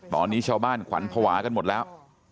ตอนนี้ชาวบ้านขวัญภาวะกันหมดแล้ว